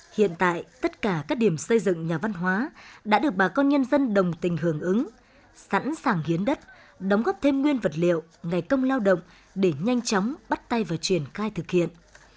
hiện tại tất cả các điểm xây dựng nhà văn hóa đã được bà con nhân dân đồng tình hưởng ứng sẵn sàng hiến đất đóng góp thêm nguyên vật liệu ngày công lao động để nhanh chóng bắt tay vào triển khai thực hiện